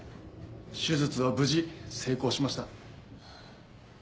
手術は無事成功しました。